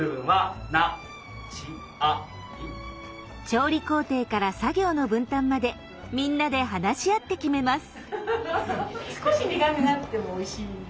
調理工程から作業の分担までみんなで話し合って決めます。